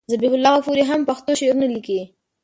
ذبیح الله غفوري هم ښه پښتو شعرونه لیکي.